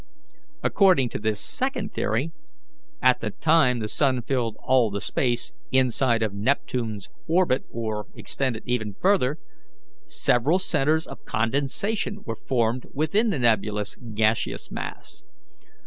According to this second theory, at the time the sun filled all the space inside of Neptune's, orbit, or extended even farther, several centres of condensation were formed within the nebulous, gaseous mass.